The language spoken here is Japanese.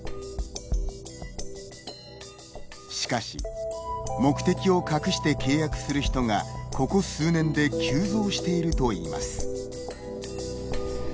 しかし目的を隠して契約する人がここ数年で急増しているといいます。